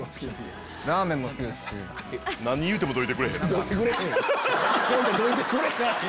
何言うてもどいてくれへんな。